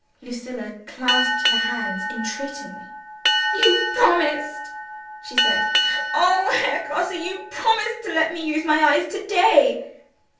Lucilla clasped her hands entreatingly. "You promised!" she said. "Oh, Herr Grosse, you promised to let me use my eyes to day!"